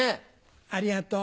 ありがとう。